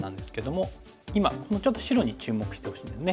今このちょっと白に注目してほしいんですね。